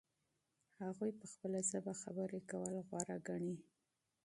هغوی په خپله ژبه خبرې کول غوره ګڼي.